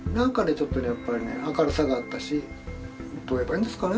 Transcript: ちょっとねやっぱりね明るさがあったしどう言えばいいんですかね